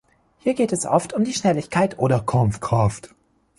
Hier geht es oft um die Schnelligkeit oder Kampfkraft.